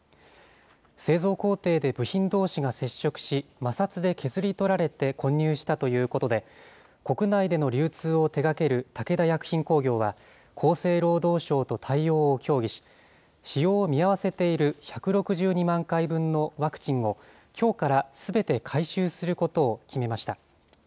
製造工程で部品どうしが接触し、摩擦で削り取られて混入したということで、国内での流通を手がける武田薬品工業は、厚生労働省と対応を協議し、使用を見合わせている１６２万回分のワクチンを、きょうからすべて回収することを決めました。